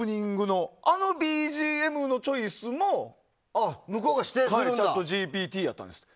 あのＢＧＭのチョイスもＣｈａｔＧＰＴやったんですって。